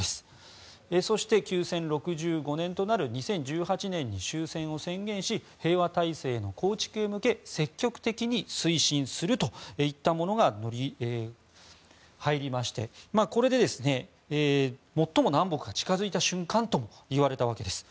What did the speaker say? そして、休戦６５年となる２０１８年に終戦を宣言し平和体制の構築へ向け積極的に推進するといったものが入りましてこれで、最も南北が近づいた瞬間ともいわれたわけです。